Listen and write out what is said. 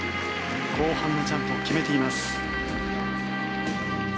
後半のジャンプを決めています。